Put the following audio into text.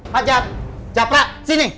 pak jat jatla sini